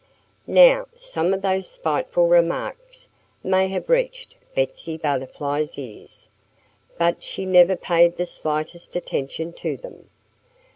Now, some of those spiteful remarks may have reached Betsy Butterfly's ears. But she never paid the slightest attention to them.